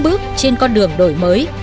bước trên con đường đổi mới